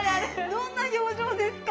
どんな表情ですか？